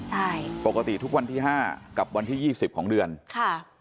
ใช่ปกติทุกวันที่ห้ากับวันที่ยี่สิบของเดือนค่ะ